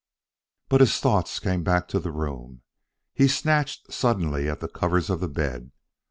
But his thoughts came back to the room. He snatched suddenly at the covers of the bed.